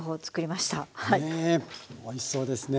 ねえおいしそうですね。